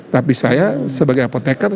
tapi saya sebagai apotekar